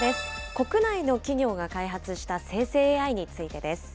国内の企業が開発した生成ＡＩについてです。